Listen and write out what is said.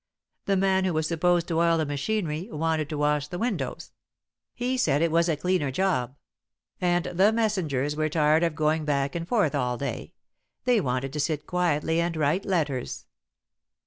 The man who was supposed to oil the machinery wanted to wash the windows he said it was a cleaner job; and the messengers were tired of going back and forth all day they wanted to sit quietly and write letters.